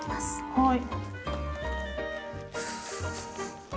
はい。